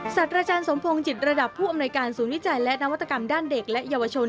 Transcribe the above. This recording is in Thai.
สัตว์อาจารย์สมพงศ์จิตระดับผู้อำนวยการศูนย์วิจัยและนวัตกรรมด้านเด็กและเยาวชน